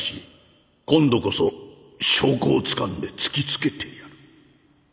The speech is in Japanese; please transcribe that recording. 「今度こそ証拠を掴んで突きつけてやる」